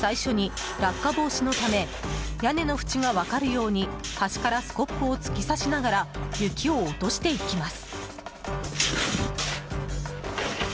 最初に落下防止のため屋根の縁が分かるように端からスコップを突き刺しながら雪を落としていきます。